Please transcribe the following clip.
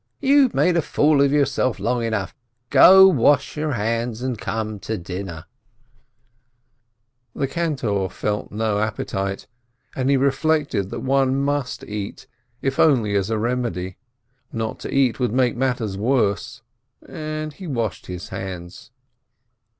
"You've made a fool of yourself long enough ! Go and wash your hands and come to dinner !" The cantor felt no appetite, but he reflected that one must eat, if only as a remedy; not to eat would make matters worse, and he washed his hands.